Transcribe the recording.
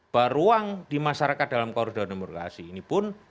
baruang di masyarakat dalam korupsi demokrasi ini pun